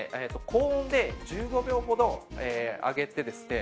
高温で１５秒ほど揚げてですね